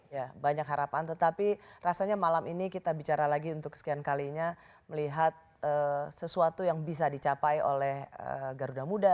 ya banyak harapan tetapi rasanya malam ini kita bicara lagi untuk sekian kalinya melihat sesuatu yang bisa dicapai oleh garuda muda